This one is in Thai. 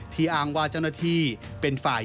ที่อ้างว่าจังหวันที่เป็นฝ่าย